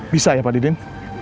bisa ya pak didin